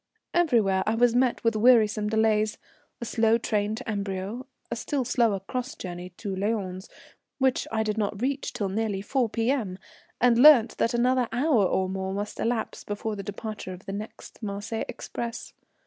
Everywhere I was met with wearisome delays. A slow train to Amberieu, a still slower cross journey to Lyons, which I did not reach till nearly 4 P.M., and learnt that another hour or more must elapse before the departure of the next Marseilles express.